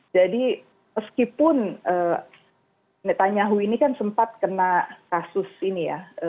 jadi meskipun netanyahu ini kan sempat kena kasus ini ya